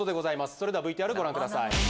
それではＶＴＲご覧ください。